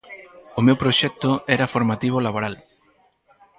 O meu proxecto era formativo laboral.